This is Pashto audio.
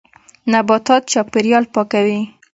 نباتات چاپېریال پاکوي.